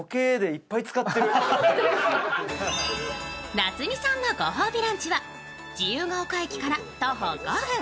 なつみさんのご褒美ランチは自由が丘駅から徒歩５分。